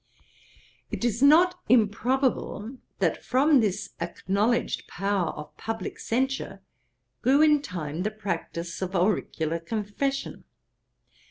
'It is not improbable that from this acknowledged power of publick censure, grew in time the practice of auricular confession.